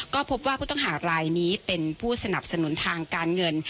ก็พบว่าผู้ต้องหารายนี้เป็นผู้สนับสนุนทางการเงิน